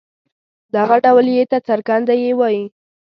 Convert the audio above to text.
دغه ډول ي ته څرګنده يې وايي.